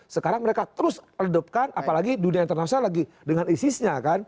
sekarang mereka terus ledepkan apalagi dunia internasional lagi dengan isisnya kan